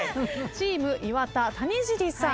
チーム岩田谷尻さん。